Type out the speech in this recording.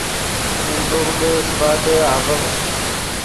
من لوغدے سیپادے اڤڑ